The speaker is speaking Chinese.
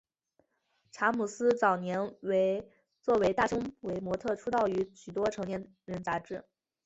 查姆斯早年作为大胸围模特出道于许多成人杂志。